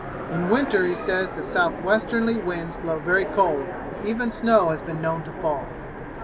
In winter he says the southwesterly winds blow very cold, and even snow has been known to fall.